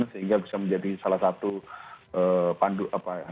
sehingga bisa menjadi salah satu pandu apa ya